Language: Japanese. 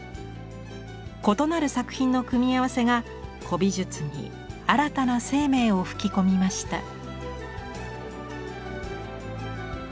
異なる作品の組み合わせが古美術に新たな生命を吹き込みました。